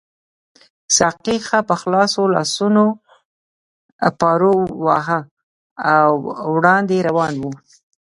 ساقي ښه په خلاصو لاسونو پارو واهه او وړاندې روان وو.